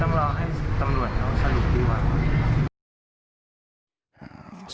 ต้องรอให้ตำรวจเขาสรุปดีกว่า